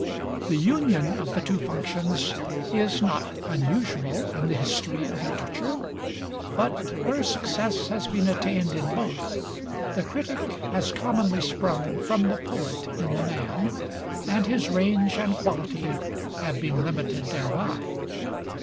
The union of the two functions is not unusual in the history of literature; but where success has been attained in both, the critic has commonly sprung from the poet in the man, and his range and quality have been limited thereby.